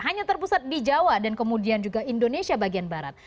hanya terpusat di jawa dan kemudian juga indonesia bagian barat